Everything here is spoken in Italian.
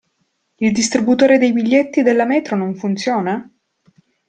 Il distributore dei biglietti della metro non funziona?